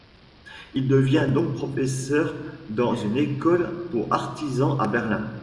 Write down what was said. Il devient donc professeur dans une école pour artisans à Berlin.